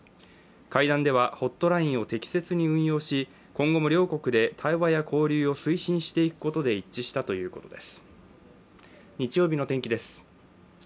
会談ではホットラインを適切に運用し、今後も両国で対話や交流を推進していくことで一致したということです。